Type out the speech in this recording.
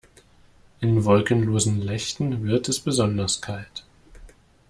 In wolkenlosen Nächten wird es besonders kalt.